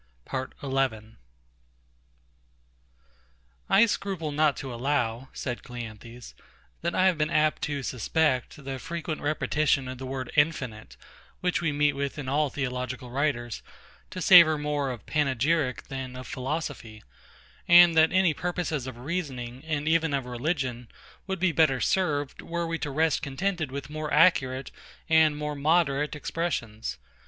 PART 11 I scruple not to allow, said CLEANTHES, that I have been apt to suspect the frequent repetition of the word infinite, which we meet with in all theological writers, to savour more of panegyric than of philosophy; and that any purposes of reasoning, and even of religion, would be better served, were we to rest contented with more accurate and more moderate expressions.